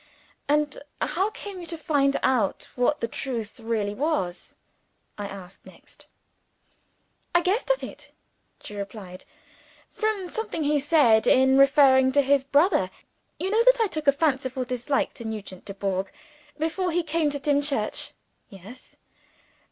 "And how came you to find out what the truth really was?" I asked next. "I guessed at it," she replied, "from something he said in referring to his brother. You know that I took a fanciful dislike to Nugent Dubourg before he came to Dimchurch?" "Yes."